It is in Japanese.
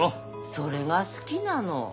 それが好きなの。